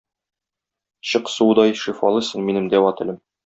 Чык суыдай шифалы син, минем дәва телем.